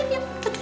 tuh tuh tuh